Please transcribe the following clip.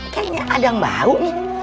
kayaknya ada yang bau nih